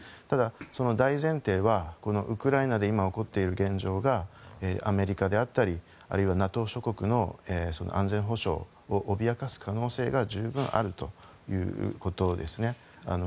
ただ、大前提はウクライナで今、起こっている現状がアメリカであったりあるいはＮＡＴＯ諸国の安全保障を脅かす可能性が十分あるということですね。